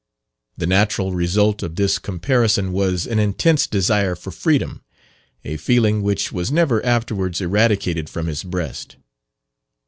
The natural result of this comparison was an intense desire for freedom a feeling which was never afterwards eradicated from his breast.